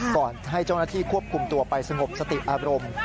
ก่อนให้เจ้าหน้าที่ควบคุมตัวไปสงบสติอารมณ์